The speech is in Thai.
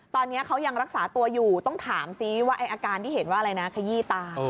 ตอนนี้เขายังรักษาตัวอยู่ต้องถามซิว่าอาการที่เห็นว่าอะไรนะขยี้ตา